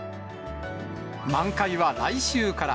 満開は来週から。